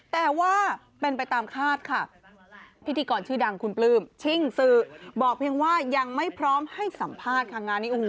แต่ว่าเป็นไปตามคาดค่ะพิธีกรชื่อดังคุณปลื้มชิ่งสื่อบอกเพียงว่ายังไม่พร้อมให้สัมภาษณ์ค่ะงานนี้